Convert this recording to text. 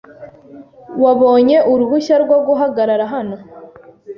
Wabonye uruhushya rwo guhagarara hano?